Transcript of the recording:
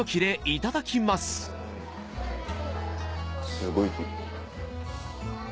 すごい。